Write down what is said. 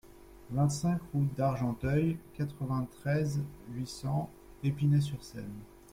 vingt-cinq route d'Argenteuil, quatre-vingt-treize, huit cents, Épinay-sur-Seine